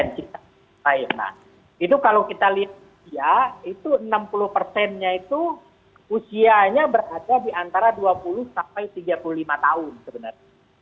nah itu kalau kita lihat itu enam puluh persennya itu usianya berada di antara dua puluh sampai tiga puluh lima tahun sebenarnya